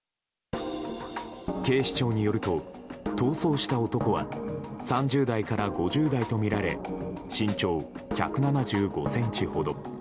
警視庁によると逃走した男は３０代から５０代とみられ身長１７５ｃｍほど。